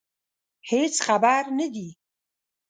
هېڅ خبر نه دي.